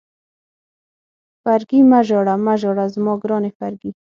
فرګي مه ژاړه، مه ژاړه زما ګرانې فرګي.